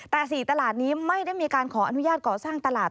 แต่๔ตลาดนี้ไม่ได้มีการขออนุญาตก่อสร้างตลาด